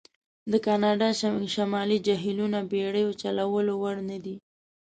د کانادا شمالي خلیجونه بېړیو چلولو وړ نه دي.